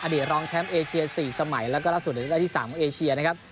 ดีรองแชมป์เอเชีย๔สมัยแล้วก็ล่าสุดได้ที่๓ของเอเชียนะครับ